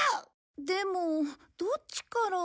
でもどっちから。